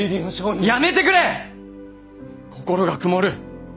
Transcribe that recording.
心が曇る！